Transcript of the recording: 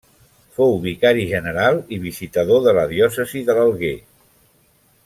Fou vicari general i visitador de la diòcesi de l'Alguer.